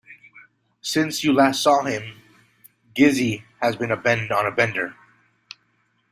Since you last saw him, Gussie has been on a bender.